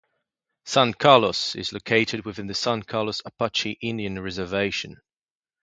San Carlos is located within the San Carlos Apache Indian Reservation.